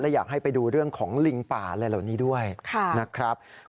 อยากให้ไปดูเรื่องของลิงป่าอะไรเหล่านี้ด้วยนะครับ